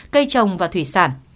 cây trồng và thủy sản